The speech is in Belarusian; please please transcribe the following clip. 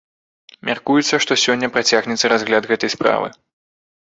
Мяркуецца, што сёння працягнецца разгляд гэтай справы.